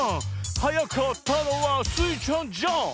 「はやかったのはスイちゃんじゃん」